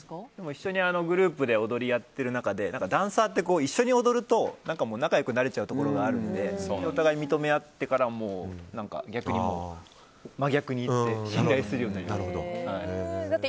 一緒にグループで踊りをやっている中でダンサーって、一緒に踊ると仲良くなれちゃうところがあるのでお互い認め合ってからは真逆に行って信頼するようになりました。